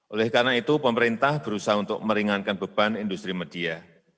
oleh karena itu pemerintah berusaha untuk meringankan beban industri media